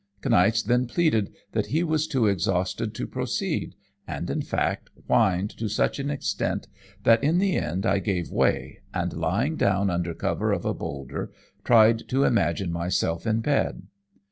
Kniaz then pleaded that he was too exhausted to proceed, and, in fact, whined to such an extent that in the end I gave way, and lying down under cover of a boulder, tried to imagine myself in bed.